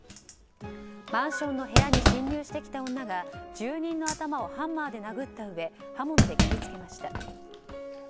マンションの部屋に侵入してきた女が住人の頭をハンマーで殴ったうえ刃物で切りつけました。